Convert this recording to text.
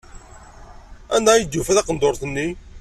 Anda ay d-yufa taqendurt-nni?